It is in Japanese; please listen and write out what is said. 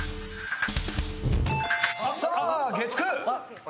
さあ月９。